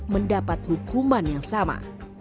mendapat hukuman yang sama